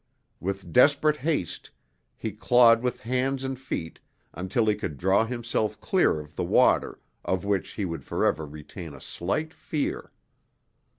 With desperate haste, he clawed with hands and feet until he could draw himself clear of the water, of which he would forever retain a slight fear.